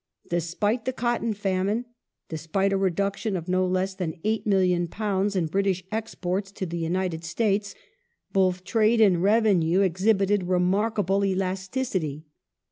Despite the cotton famine ; despite a reduction of no less than £8,000,000 in British exports to the United States,^ both trade and revenue exhibited remarkable elasticity.